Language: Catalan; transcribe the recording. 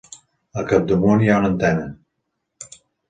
Al capdamunt hi ha una antena.